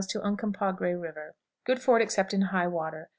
Oncompagre River. Good ford except in high water.